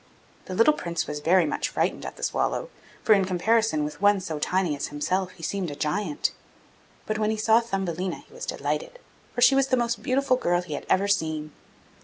The little Prince was very much frightened at the swallow, for in comparison with one so tiny as himself he seemed a giant. But when he saw Thumbelina, he was delighted, for she was the most beautiful girl he had ever seen.